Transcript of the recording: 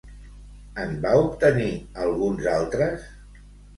En va obtenir alguns altres?